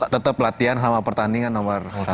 tetap latihan sama pertandingan nomor satu